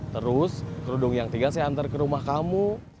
terus kerudung yang tiga saya antar ke rumah kamu